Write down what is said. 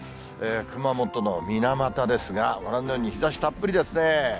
熊本の水俣ですが、ご覧のように、日ざしたっぷりですね。